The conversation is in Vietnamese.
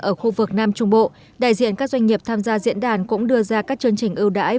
ở khu vực nam trung bộ đại diện các doanh nghiệp tham gia diễn đàn cũng đưa ra các chương trình ưu đãi